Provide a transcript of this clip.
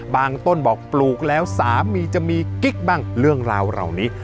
ต้นบอกปลูกแล้วสามีจะมีกิ๊กบ้างเรื่องราวเหล่านี้